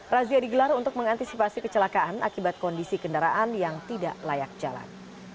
razia digelar untuk mengantisipasi kecelakaan akibat kondisi kendaraan yang tidak layak jalan